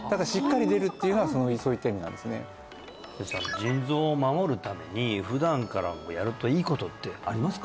腎臓を守るために普段からやるといいことってありますか？